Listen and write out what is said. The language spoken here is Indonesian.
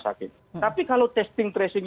sakit tapi kalau testing tracing